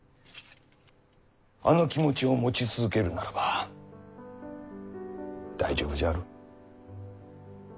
あの気持ちを持ち続けるならば大丈夫じゃろ。